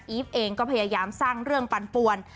เองก็พยายามสร้างเรื่องปันปวน